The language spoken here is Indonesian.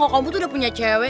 oh kamu tuh udah punya cewek